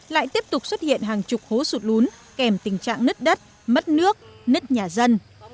lại tiếp tục xuất hiện hàng chục hố sụt lún kèm tình trạng nứt đất mất nước nứt nhà dân